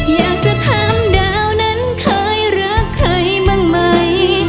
อยากจะถามดาวนั้นเคยรักใครบ้างไหม